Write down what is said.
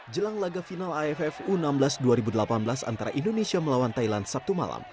jelang laga final aff u enam belas dua ribu delapan belas antara indonesia melawan thailand sabtu malam